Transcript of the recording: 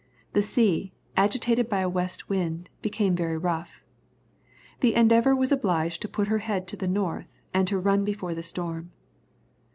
the sea, agitated by a west wind, became very rough. The Endeavour was obliged to put her head to the north, and to run before the storm.